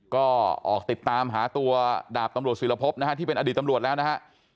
ก็ออกติดตามหาตัวดาบตำรวจศิลพบนะฮะที่เป็นอดีตตำรวจแล้วนะฮะ